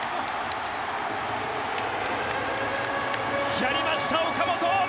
やりました、岡本。